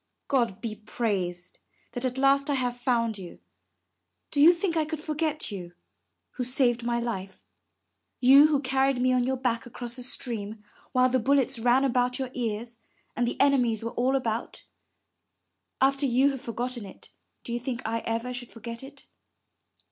God be praised, that at last I have found you. Do you think I could forget you, who saved my life? You, who carried me on your back across the stream while the bullets ran about your ears, and the enemies. 406 UP ONE PAIR OF STAIRS were all about? After you have forgotten it, do you think I ever should forget it?